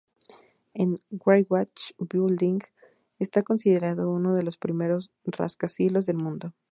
El Wainwright Building está considerado uno de los primeros rascacielos del mundo.